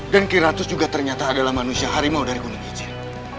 dan kiratus juga ternyata adalah manusia harimau dari gunung ijen